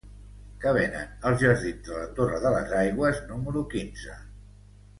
Què venen als jardins de la Torre de les Aigües número quinze?